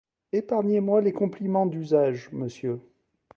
Épargnez-moi les compliments d’usage, monsieur.